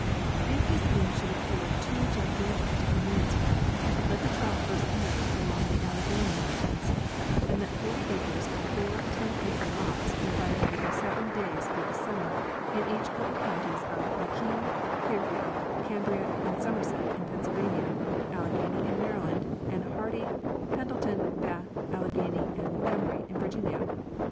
If this scheme should appear too gigantic to commence with, let the trial be first made along the Alleghany mountains; and let forty acres of four ten acre lots be fired every seven days through the summer in each of the counties of McKean, Clearfield, Cambria, and Somerset, in Pennsyl vania; Alleghany, in Maryland ; and Hardy, Pendleton, Bath, Alleghany, and Montgomery, in Virginia.